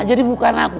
jadi bukan aku